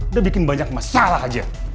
udah bikin banyak masalah aja